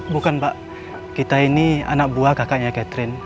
bukan pak kita ini anak buah kakaknya catherine